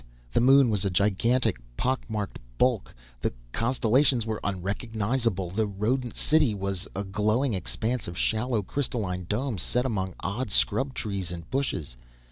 The Moon was a gigantic, pock marked bulk. The constellations were unrecognizable. The rodent city was a glowing expanse of shallow, crystalline domes, set among odd, scrub trees and bushes.